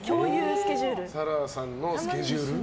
紗来さんのスケジュール？